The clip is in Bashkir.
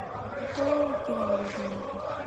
— Һо, һо-ой! — тигән булды Маугли.